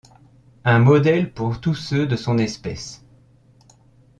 Un modèle pour tous ceux de son espèce.